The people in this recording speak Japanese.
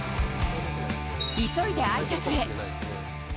急いであいさつへ。